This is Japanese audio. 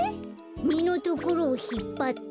みのところをひっぱって。